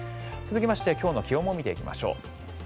続きまして今日の気温も見ていきましょう。